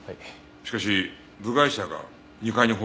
しかし部外者が２階に放火するか？